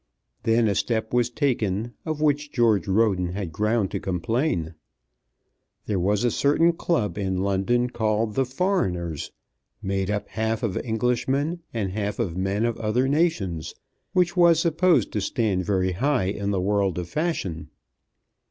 Then a step was taken, of which George Roden had ground to complain. There was a certain Club in London called the Foreigners, made up half of Englishmen and half of men of other nations, which was supposed to stand very high in the world of fashion.